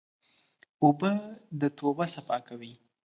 اوبه د توبه صفا کوي.